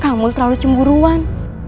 kamu terlalu cemburuan